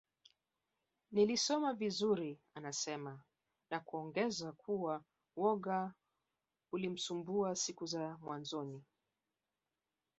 Nilisoma vizuri anasema na kuongeza kuwa woga ulimsumbua siku za mwanzoni